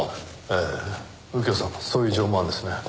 へえ右京さんもそういう情もあるんですね。